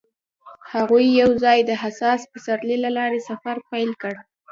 هغوی یوځای د حساس پسرلی له لارې سفر پیل کړ.